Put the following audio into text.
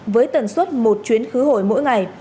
với tần suốt một chuyến khứ hội mỗi ngày